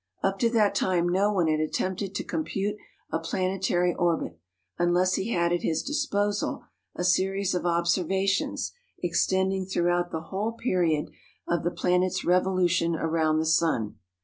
Up to that time no one had attempted to compute a planetary orbit, unless he had at his disposal a series of observations extending throughout the whole period of the planet's revolution around the sun.